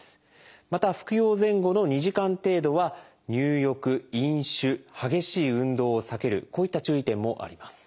また服用前後の２時間程度は入浴飲酒激しい運動を避けるこういった注意点もあります。